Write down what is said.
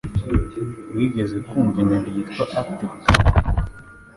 Wigeze wumva inyoni yitwa Arctic Tern?